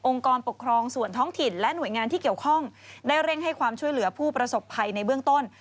กรปกครองส่วนท้องถิ่นและหน่วยงานที่เกี่ยวข้องได้เร่งให้ความช่วยเหลือผู้ประสบภัยในเบื้องต้น